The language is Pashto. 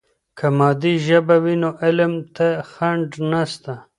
که مادي ژبه وي نو علم ته خنډ نسته.